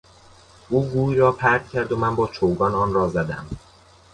او گوی را پرت کرد و من با چوگان آنرا زدم.